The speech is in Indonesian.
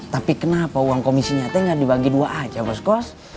tapi kenapa uang komisinya t nggak dibagi dua aja boskos